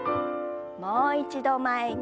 もう一度前に。